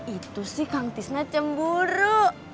itu sih kang tisna cemburu